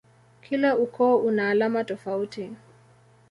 Kila ukoo una alama tofauti.